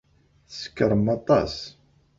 Tsekṛem aṭas.